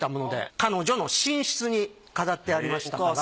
彼女の寝室に飾ってありましたから。